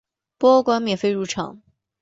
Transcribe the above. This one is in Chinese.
博物馆免费入场。